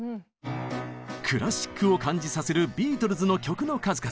クラシックを感じさせるビートルズの曲の数々。